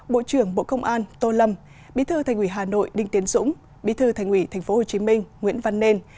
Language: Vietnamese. bộ trưởng bộ công an tô lâm bí thư thành ủy hà nội đinh tiến dũng bí thư thành ủy thành phố hồ chí minh nguyễn văn nền